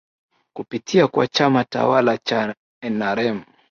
kupitia kwa chama tawala cha nrm